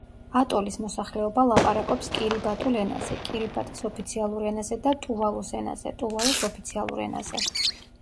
ატოლის მოსახლეობა ლაპარაკობს კირიბატულ ენაზე, კირიბატის ოფიციალურ ენაზე, და ტუვალუს ენაზე, ტუვალუს ოფიციალურ ენაზე.